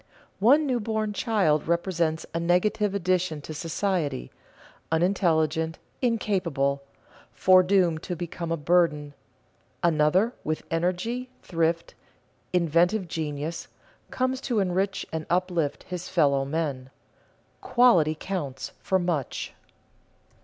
One new born child represents a negative addition to society, unintelligent, incapable, foredoomed to become a burden; another, with energy, thrift, inventive genius, comes to enrich and uplift his fellow men. Quality counts for much.